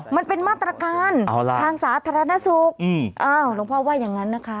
มันเป็นมาตรการทางสาธารณสุขอ้าวหลวงพ่อว่าอย่างนั้นนะคะ